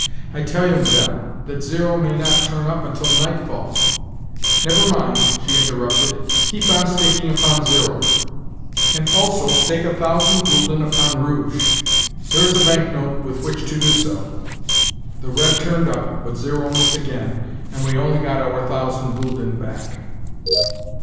"I tell you, Madame, that zero may not turn up until nightfall." "Never mind," she interrupted. "Keep on staking upon zero, and also stake a thousand gülden upon rouge. Here is a banknote with which to do so." The red turned up, but zero missed again, and we only got our thousand gülden back.